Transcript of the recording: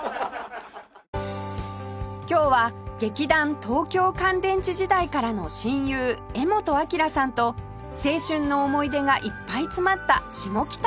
今日は劇団東京乾電池時代からの親友柄本明さんと青春の思い出がいっぱい詰まった下北沢へ